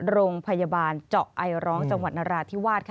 โรงพยาบาลเจาะไอร้องจังหวัดนราธิวาส